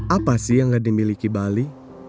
apa sih yang gak dimiliki bali